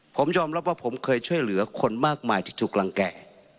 ผมยอมรับว่าผมเคยช่วยเหลือคนมากมายที่ถูกรังแก่